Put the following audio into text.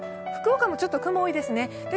福岡もちょっと雲、多いですね。